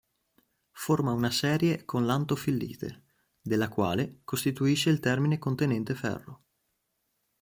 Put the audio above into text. Forma una serie con l'antofillite della quale costituisce il termine contenente ferro.